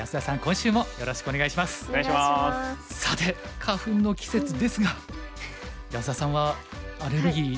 さて花粉の季節ですが安田さんはアレルギー大丈夫ですか？